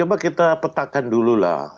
coba kita petakan dululah